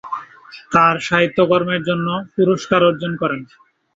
তার সাহিত্যকর্মের জন্য বিভিন্ন পুরস্কারে অর্জন করেন।